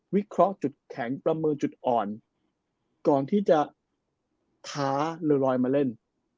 วิเคราะห์จุดแข็งประเมินจุดอ่อนก่อนที่จะท้าลอยมาเล่น